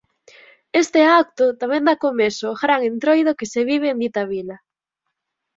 Este acto tamén dá comezo ó gran Entroido que se vive en dita vila.